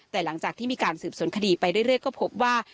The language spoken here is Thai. แต่หลังจากที่มีการสืบสวนคดีไปเรื่อยก็พบว่า